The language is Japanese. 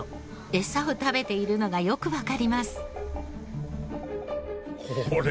餌を食べているのがよくわかります。